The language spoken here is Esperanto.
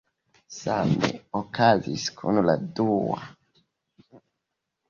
Same okazis kun la dua.